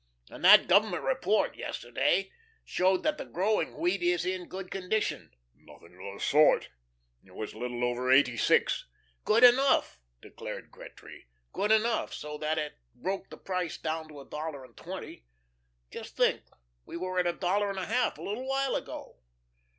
And that Government report yesterday showed that the growing wheat is in good condition." "Nothing of the sort. It was a little over eighty six." "Good enough," declared Gretry, "good enough so that it broke the price down to a dollar and twenty. Just think, we were at a dollar and a half a little while ago."